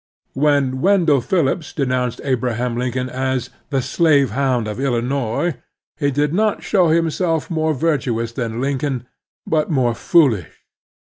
When Wendell Phillips denounced Abraham Lincoln as "the slave hotmd of Illinois," he did not show himself more vir tuous than Lincoln, but more foolish.